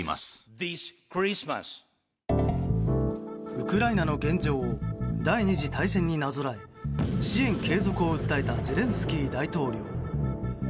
ウクライナの現状を第２次大戦になぞらえ支援継続を訴えたゼレンスキー大統領。